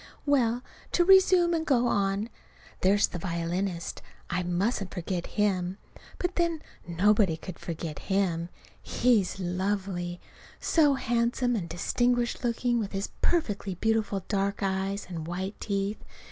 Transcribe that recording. Well, to resume and go on. There's the violinist. I mustn't forget him. But, then, nobody could forget him. He's lovely: so handsome and distinguished looking with his perfectly beautiful dark eyes and white teeth.